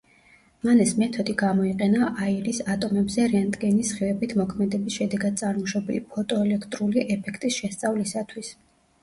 მან ეს მეთოდი გამოიყენა აირის ატომებზე რენტგენის სხივებით მოქმედების შედეგად წარმოშობილი ფოტოელექტრული ეფექტის შესწავლისათვის.